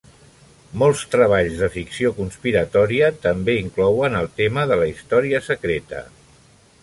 Molts treballs de ficció conspiratòria també inclouen el tema de la història secreta.